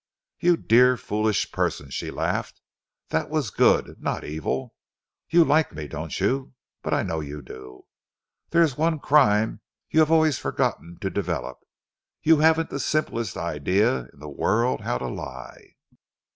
"You dear, foolish person," she laughed, "that was good, not evil. You like me, don't you? But I know you do. There is one crime you have always forgotten to develop you haven't the simplest idea in the world how to lie."